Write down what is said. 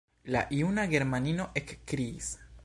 La juna germanino ekkriis: